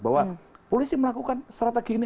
bahwa polisi melakukan strategi ini